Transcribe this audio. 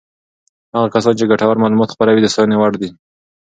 هغه کسان چې ګټور معلومات خپروي د ستاینې وړ دي.